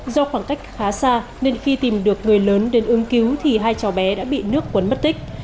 do khoảng cách khá xa nên khi tìm được người lớn đến ứng cứu thì hai cháu bé đã bị nước cuốn mất tích